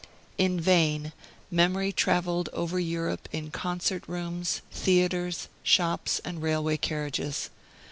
In vain memory traveled over Europe in concert rooms, theaters, shops, and railway carriages.